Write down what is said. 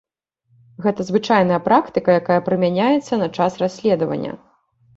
Гэта звычайная практыка, якая прымяняецца на час расследавання.